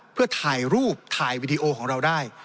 เพื่อถ่ายรูปถ่ายวีดีโอของเราได้